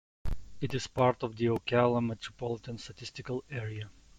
It is part of the Ocala Metropolitan Statistical Area.